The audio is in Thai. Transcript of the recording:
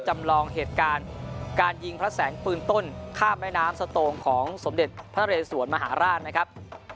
จำลองเหตุการณ์การยิงพระแสงปืนต้นข้ามแม่น้ำสโตงของสมเด็จพระเรสวนมหาราชนะครับ